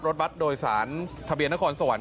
รถบัตรโดยสารทะเบียนนครสวรรค